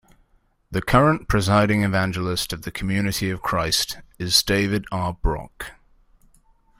The current Presiding Evangelist of the Community of Christ is David R. Brock.